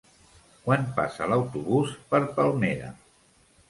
Quan passa l'autobús per Palmera?